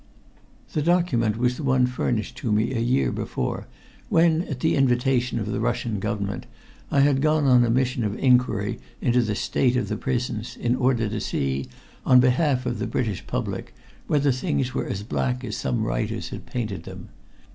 The document was the one furnished to me a year before when, at the invitation of the Russian Government, I had gone on a mission of inquiry into the state of the prisons in order to see, on behalf of the British public, whether things were as black as some writers had painted them.